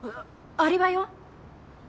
アリバイ？